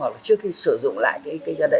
hoặc là trước khi sử dụng lại kinh tế